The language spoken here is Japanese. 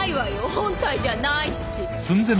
本体じゃないし。